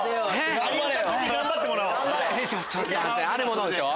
あるものでしょ？